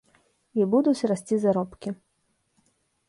І будуць расці заробкі.